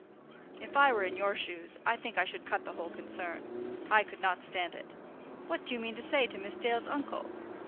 "If I were in your shoes I think I should cut the whole concern. I could not stand it. What do you mean to say to Miss Dale's uncle?"